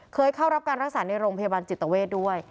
เคยเข้ารับการรักษาในโรงพยาบาลจิตเวทด้วย